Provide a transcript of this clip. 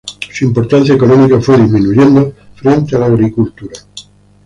Su importancia económica fue disminuyendo frente a la agricultura.